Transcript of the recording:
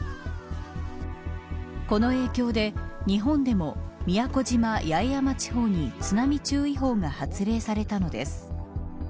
この影響で、日本でも宮古島・八重山地方に津波注意報が発令されたのです。